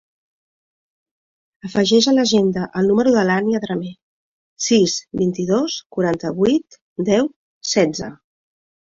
Afegeix a l'agenda el número de l'Ànnia Drammeh: sis, vint-i-dos, quaranta-vuit, deu, setze.